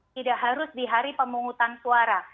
tidak harus di hari pemungutan suara